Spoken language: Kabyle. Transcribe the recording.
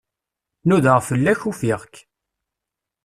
Nudaɣ fell-ak, ufiɣ-k.